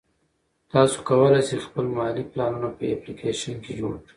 تاسو کولای شئ خپل مالي پلانونه په اپلیکیشن کې جوړ کړئ.